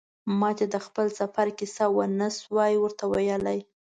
ما چې د خپل سفر کیسه و نه شو ورته ویلای.